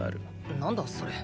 何だそれ？